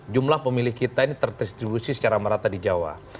jumlah pemilih kita ini terdistribusi secara merata di jawa